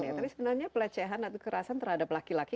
tapi sebenarnya pelecehan atau kekerasan terhadap laki laki